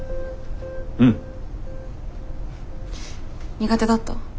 苦手だった？